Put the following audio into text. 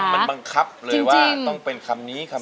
มันบังคับเลยว่าต้องเป็นคำนี้คำ